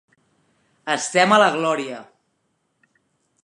Estem a la glòria!